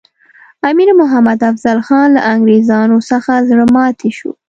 امیر محمد افضل خان له انګریزانو څخه زړه ماتي شو.